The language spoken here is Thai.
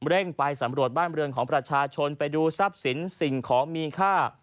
เร่งไปสำรวจบ้านบริเวณของประชาชนไปดูทรัพย์สินสิ่งของมีค่า